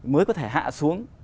mới có thể hạ xuống